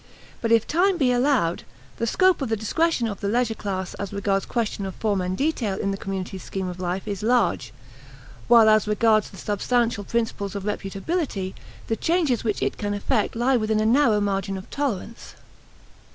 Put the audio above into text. But if time be allowed, the scope of the discretion of the leisure class as regards questions of form and detail in the community's scheme of life is large; while as regards the substantial principles of reputability, the changes which it can effect lie within a narrow margin of tolerance.